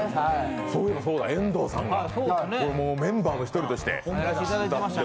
そういえばそうだ、遠藤さんがメンバーの１人として歌っていましたが。